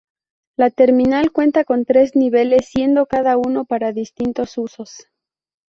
La terminal cuenta con tres niveles siendo cada uno para distintos usos.